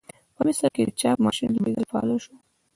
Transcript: په مصر کې د چاپ ماشین لومړي ځل فعال شو.